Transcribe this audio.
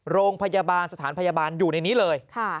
โรงพยาบาลสถานพยาบาลอยู่ในนี้เลย